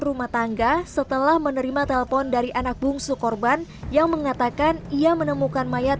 rumah tangga setelah menerima telepon dari anak bungsu korban yang mengatakan ia menemukan mayat